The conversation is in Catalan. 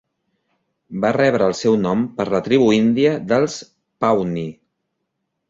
Va rebre el seu nom per la tribu índia dels pawnee.